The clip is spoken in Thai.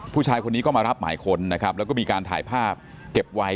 ผู้ชายคนนี้ก็มารับหมายค้นนะครับแล้วก็มีการถ่ายภาพเก็บไว้